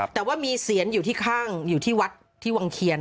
แต่ว่ามีเสียนอยู่ที่ข้างอยู่ที่วัดที่วังเคียน